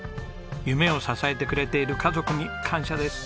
夢を支えてくれている家族に感謝です。